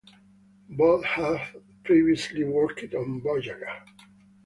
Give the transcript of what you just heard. Both had previously worked on "Voyager".